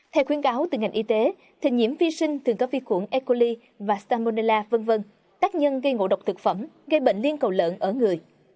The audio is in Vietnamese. theo khuyến cáo từ ngành y tế thịt nhiễm vi sinh thường có vi khuẩn e coli và stamonela v v tác nhân gây ngộ độc thực phẩm gây bệnh liên cầu lợn ở người